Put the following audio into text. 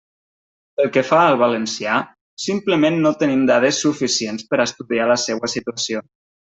Pel que fa al valencià, simplement no tenim dades suficients per a estudiar la seua situació.